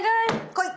来い！